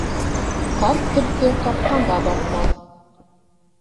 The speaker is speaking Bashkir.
Ҡарт төлкө ҡапҡанға баҫмаҫ.